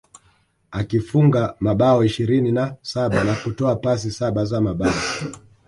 Akifunga mabao ishirini na saba na kutoa pasi saba za mabao